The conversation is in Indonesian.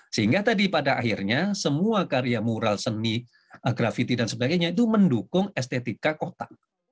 sehingga tadi pada akhirnya semua karya mural seni grafiti dan sebagainya itu mendukung estetika kota